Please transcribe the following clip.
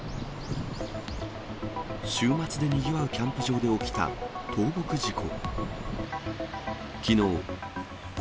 週末でにぎわうキャンプ場で起きた倒木事故。